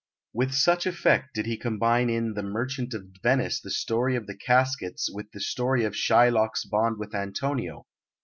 With such effect did he combine in The Merchant of Venice the story of the caskets with the story of Shylock's bond with Antonio.